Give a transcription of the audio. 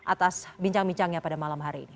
atas bincang bincangnya pada malam hari ini